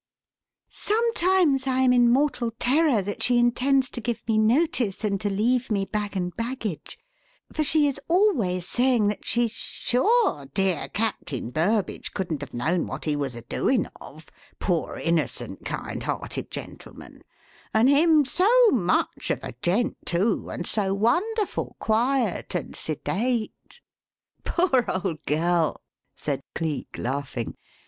Sometimes I am in mortal terror that she intends to give me notice and to leave me bag and baggage; for she is always saying that she's 'sure dear Captain Burbage couldn't have known what he was a doing of, poor, innocent, kind hearted gentleman and him so much of a gent, too, and so wonderful quiet and sedate!'" "Poor old girl!" said Cleek, laughing.